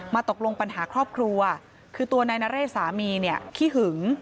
มาตกลงปัญหาครอบครัวคือตัวนายนาเรชสามีขี้หึง